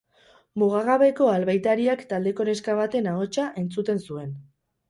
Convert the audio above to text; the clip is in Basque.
Mugagabeko Albaitariak taldeko neska baten ahotsa entzuten nuen.